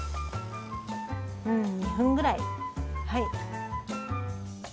うん２分ぐらいはい。